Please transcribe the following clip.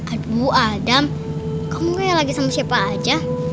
aduh adam kamu kayak lagi sama siapa aja